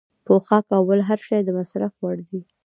پوښاک او بل هر شی د مصرف وړ دی.